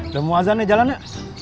udah muazan nih jalannya